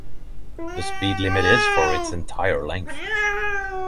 The speed limit is for its entire length.